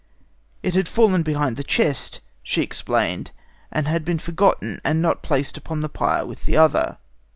It had fallen behind the chest, she explained, and had been forgotten and not placed upon the pyre with the other.